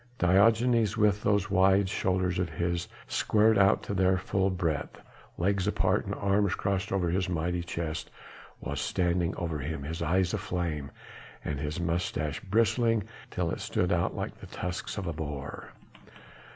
Diogenes with those wide shoulders of his squared out to their full breadth, legs apart and arms crossed over his mighty chest was standing over him, his eyes aflame and his moustache bristling till it stood out like the tusks of a boar.